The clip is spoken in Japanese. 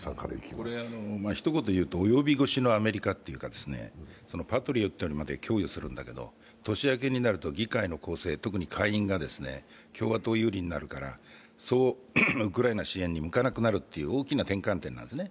ひと言言うと、及び腰のアメリカというか、パトリオットまで供与するんだけど年明けになると議会の構成、特に下院が共和党有利になるから、そうウクライナ支援に向かなくなるという大きな転換点なんですね。